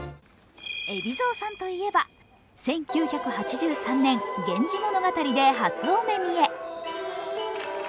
海老蔵さんといえば、１９８３年「源氏物語」で初お目見え。